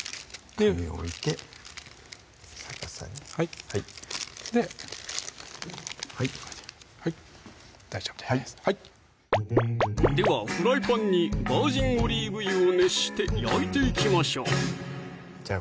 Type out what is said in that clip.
紙を置いて逆さにはい大丈夫ですではフライパンにバージンオリーブ油を熱して焼いていきましょうじゃあ